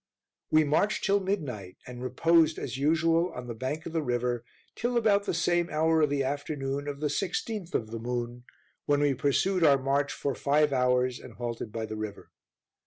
We marched till midnight, and reposed, as usual, on the bank of the river till about the same hour of the afternoon of the 16th of the moon, when we pursued our march for five hours, and halted by the river.